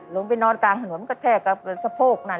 ลงไปนอนกลางถนนกระแทกกับสะโพกนั่น